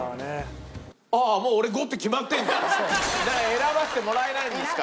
選ばせてもらえないんですか？